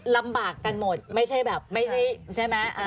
ลำบากกันหมดไม่ใช่แบบไม่ใช่ใช่ไหม